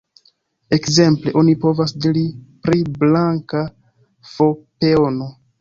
Ekzemple, oni povas diri pri "blanka f-peono".